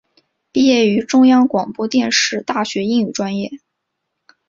毕业于中央广播电视大学英语专业。